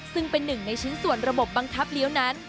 ซึ่งเป็นหนึ่งในชิ้นส่วนระบบบังคับเลี้ยวนั้น